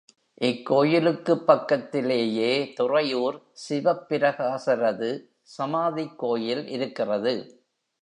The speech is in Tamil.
இக்கோயிலுக்குப் பக்கத்திலேயே துறையூர் சிவப்பிரகாசரது சமாதிக் கோயில் இருக்கிறது.